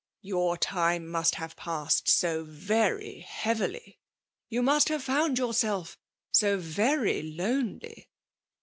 ."Yon^ time must have passed so very heavily ;—yoa must have found yourself so very lonely